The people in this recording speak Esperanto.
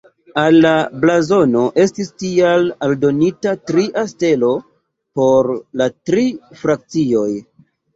Al la blazono estis tial aldonita tria stelo por la tri frakcioj.